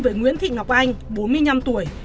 với nguyễn thị ngọc anh bốn mươi năm tuổi